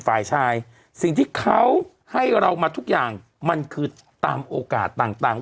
ฝ่ายชายสิ่งที่เขาให้เรามาทุกอย่างมันคือตามโอกาสต่าง